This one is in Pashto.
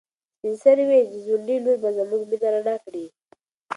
سپین سرې وویل چې د ځونډي لور به زموږ مېنه رڼا کړي.